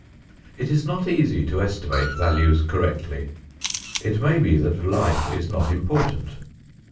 It is not easy to estimate values correctly. It may be that life is not important.